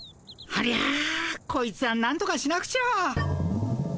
ありゃこいつはなんとかしなくちゃ。